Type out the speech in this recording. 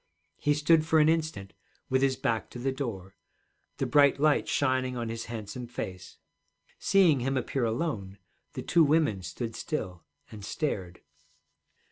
He stood for an instant with his back to the door, the bright light shining on his handsome face. Seeing him appear alone, the two women stood still and stared.